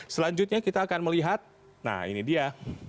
selanjutnya kita akan melihat nah ini dia